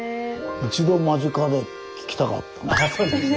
一度間近で聴きたかったんです。